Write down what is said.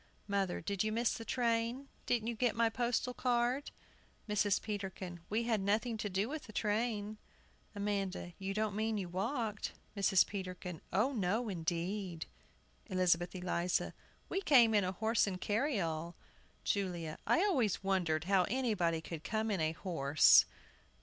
MOTHER. Did you miss the train? Didn't you get my postal card? MRS. PETERKIN. We had nothing to do with the train. AMANDA. You don't mean you walked? MRS. PETERKIN. O no, indeed! ELIZABETH ELIZA. We came in a horse and carryall. JULIA. I always wondered how anybody could come in a horse!